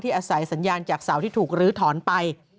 อาศัยสัญญาณจากเสาที่ถูกลื้อถอนไป